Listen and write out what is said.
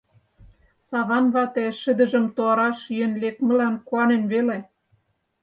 Саван вате шыдыжым туараш йӧн лекмылан куанен веле.